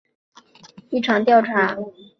此举引发了一场调查。